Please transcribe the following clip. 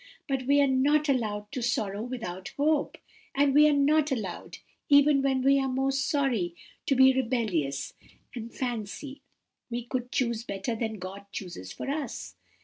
But we are not allowed to 'sorrow without hope;' and we are not allowed, even when we are most sorry, to be rebellious, and fancy we could choose better for ourselves than God chooses for us."